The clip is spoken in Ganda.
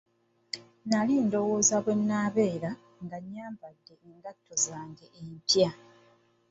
Nali ndowooza bwe nnabeera nga nyambadde engatto zange empya.